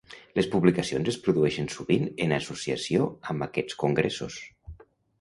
Les publicacions es produeixen sovint en associació amb aquests congressos.